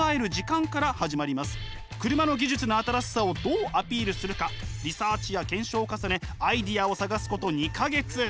車の技術の新しさをどうアピールするかリサーチや検証を重ねアイデアを探すこと２か月。